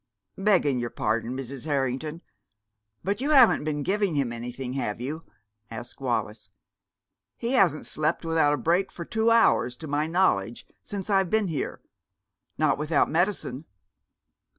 "Begging your pardon, Mrs. Harrington, but you haven't been giving him anything, have you?" asked Wallis. "He hasn't slept without a break for two hours to my knowledge since I've been here, not without medicine."